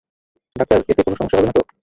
Doctor এতে কোন সমস্যা তো হবে না?